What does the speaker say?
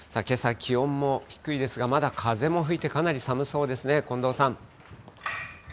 けさ、気温も低いですが、まだ風も吹いて、かなり寒そうですね。